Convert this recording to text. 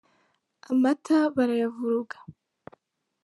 amata barayavuruga.